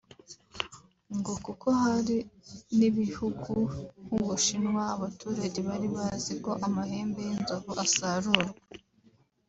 ngo kuko hari n’ibihugu nk’u Bushinwa abaturage bari bazi ko amahembe y’inzovu asarurwa